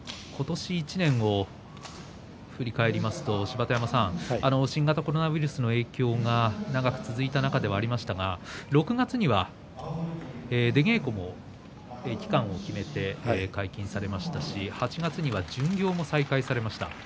今年１年を振り返りますと、芝田山さん新型コロナウイルスの影響が長く続いた中ではありましたが６月には出稽古も期間を決めて解禁されましたし８月には巡業も再開されました。